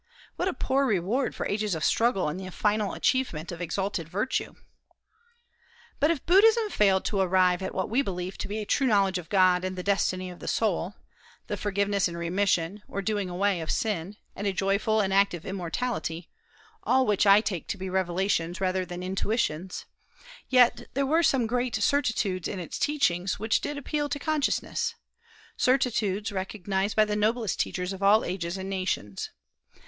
What a poor reward for ages of struggle and the final achievement of exalted virtue! But if Buddhism failed to arrive at what we believe to be a true knowledge of God and the destiny of the soul, the forgiveness and remission, or doing away, of sin, and a joyful and active immortality, all which I take to be revelations rather than intuitions, yet there were some great certitudes in its teachings which did appeal to consciousness, certitudes recognized by the noblest teachers of all ages and nations.